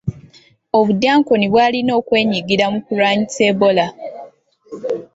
Obudyankoni bwalina okwenyigira mu kulwanyisa Ebola.